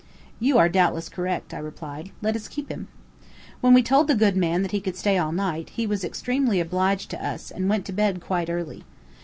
"You are doubtless correct," I replied. "Let us keep him." When we told the good man that he could stay all night, he was extremely obliged to us, and went to bed quite early.